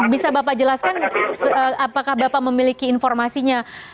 bisa bapak jelaskan apakah bapak memiliki informasinya